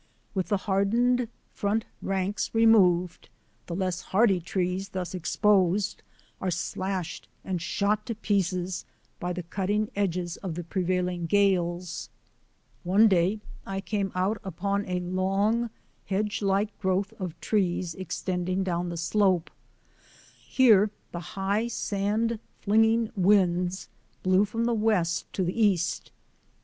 With the hardened front ranks removed, the less hardy trees thus exposed are slashed and shot to pieces by the cutting edges of the prevailing gales. One day I came out upon a long, hedge like growth of trees extending down the slope. Here the high, sand flinging winds blew from west to east.